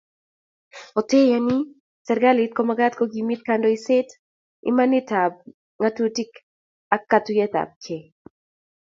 Oteayini , serkalit komagat kokimit kandoiset, imanitab ngatutik ak katuiyetabkei